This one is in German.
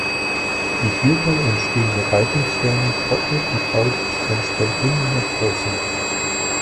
Die hierbei entstehende Reibungswärme trocknet die Bausubstanz von innen nach außen.